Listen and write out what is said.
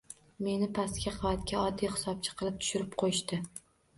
Meni pastki qavatga, oddiy hisobchi qilib tushirib qo`yishdi